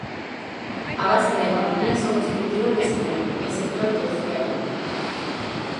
A base da economía son os cultivos de secaño e o sector terciario.